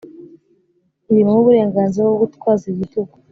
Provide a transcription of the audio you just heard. ntibimuha uburenganzira bwo gutwaza igitugu